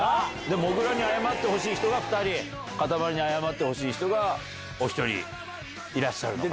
もぐらに謝ってほしい人が２人、かたまりに謝ってほしい人がお１人いらっしゃると。